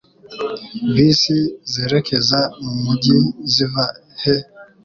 Bisi zerekeza mu mujyi ziva he?